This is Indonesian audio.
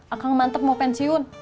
akang mantep mau pensiun